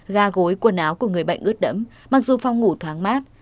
gà gối quần áo của người bệnh ướt đẫm mặc dù phòng ngủ thoáng mát